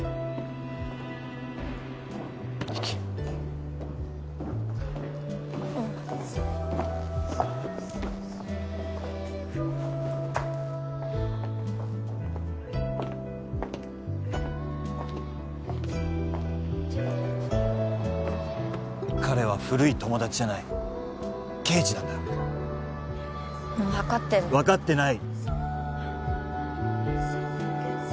行きいうん彼は古い友達じゃない刑事なんだようん分かってる分かってない！